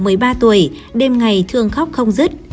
người ba tuổi đêm ngày thường khóc không dứt